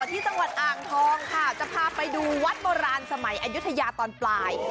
ที่จังหวัดอ่างทองค่ะจะพาไปดูวัดโบราณสมัยอายุทยาตอนปลาย